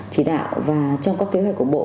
chỉ đạo và trong các kế hoạch của bộ